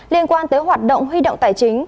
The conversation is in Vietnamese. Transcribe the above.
liên quan tới hoạt động huy động tài chính